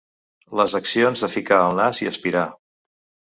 Les accions de ficar el nas i aspirar.